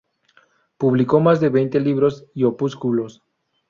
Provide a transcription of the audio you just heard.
Publicó más de veinte libros y opúsculos.